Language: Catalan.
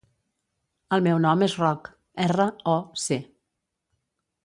El meu nom és Roc: erra, o, ce.